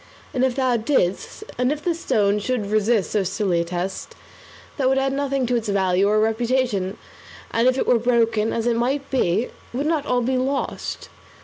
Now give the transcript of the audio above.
And if thou didst, and if the stone should resist so silly a test, that would add nothing to its value or reputation; and if it were broken, as it might be, would not all be lost?